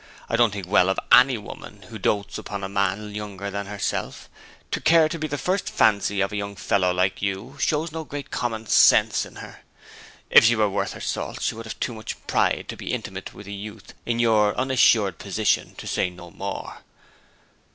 I don't think well of any woman who dotes upon a man younger than herself. ... To care to be the first fancy of a young fellow like you shows no great common sense in her. If she were worth her salt she would have too much pride to be intimate with a youth in your unassured position, to say no more.'